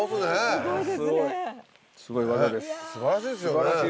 素晴らしいですよね。